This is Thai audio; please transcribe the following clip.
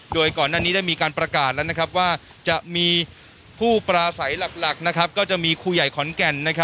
โดยก่อนหน้านี้ได้มีการประกาศแล้วว่าจะมีผู้ปราศัยหลักก็จะมีครูใหญ่ขอนแก่น